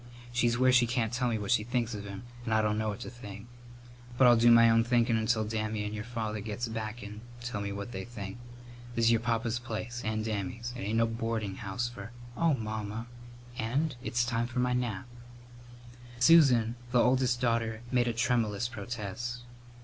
She's where she can't tell me what she thinks of him and I dunno what to think. But I'll do my own thinkin' until Dammy and your papa gets back and tell me what they think. This is your papa's place and Dammy's. It ain't a boardin' house for " "Oh, Mamma!" "And it's time for my nap." Susan, the oldest daughter, made a tremulous protest.